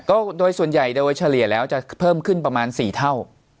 ก็โดยส่วนใหญ่โดยเฉลี่ยแล้วจะเพิ่มขึ้นประมาณ๔เท่า